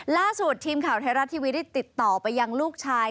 ล่าสุดทีมข่าวไทยรัฐทีวีได้ติดต่อไปยังลูกชาย